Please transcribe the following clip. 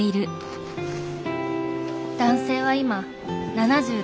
男性は今７６歳。